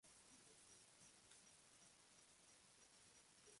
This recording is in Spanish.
Se representa la cabeza, el busto o el busto con los miembros anteriores.